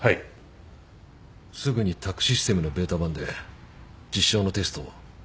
すぐに宅・システムのベータ版で実証のテストを。